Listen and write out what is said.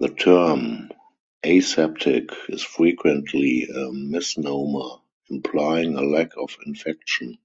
The term "aseptic" is frequently a misnomer, implying a lack of infection.